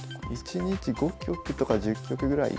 １日５局とか１０局ぐらいですかね。